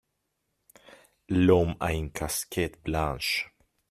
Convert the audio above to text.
l'homme a une casquette blanche.